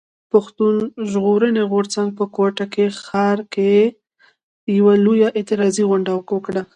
پښتون ژغورني غورځنګ په کوټه ښار کښي يوه لويه اعتراضي غونډه وکړه.